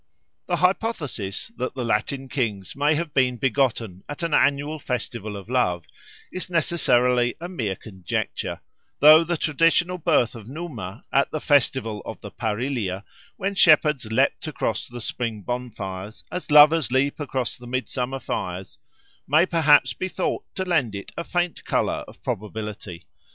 The hypothesis that the Latin kings may have been begotten at an annual festival of love is necessarily a mere conjecture, though the traditional birth of Numa at the festival of the Parilia, when shepherds leaped across the spring bonfires, as lovers leap across the Midsummer fires, may perhaps be thought to lend it a faint colour of probability.